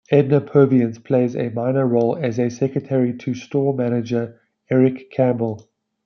Edna Purviance plays a minor role as a secretary to store manager, Eric Campbell.